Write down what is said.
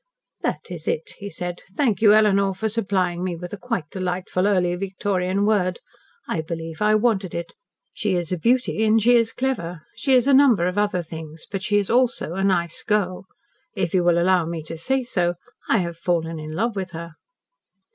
"That is it," he said. "Thank you, Eleanor, for supplying me with a quite delightful early Victorian word. I believe I wanted it. She is a beauty and she is clever. She is a number of other things but she is also a nice girl. If you will allow me to say so, I have fallen in love with her."